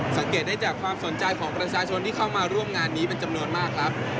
สังเกตได้จากความสนใจของประชาชนที่เข้ามาร่วมงานนี้เป็นจำนวนมากครับ